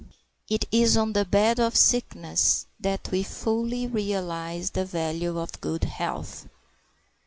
It is on the bed of sickness that we fully realize the value of good health.